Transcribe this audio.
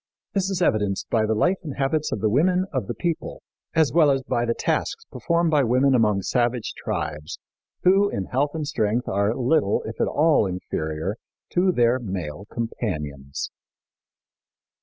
This is evidenced by the life and habits of the women of the people, as well as by the tasks performed by women among savage tribes, who in health and strength are little, if at all, inferior to their male companions.